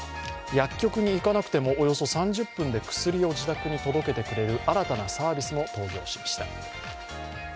薬局に行かなくても、およそ３０分で薬を自宅に届けてくれる新たなサービスも登場しました。